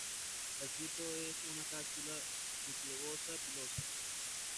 El fruto es una cápsula subglobosa, pilosa.